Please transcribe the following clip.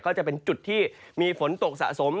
ก็จะเป็นจุดที่มีฝนตกสะสม